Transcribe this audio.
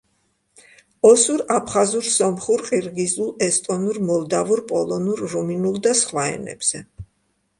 ოსურ, აფხაზურ, სომხურ, ყირგიზულ, ესტონურ, მოლდავურ, პოლონურ, რუმინულ და სხვა ენებზე.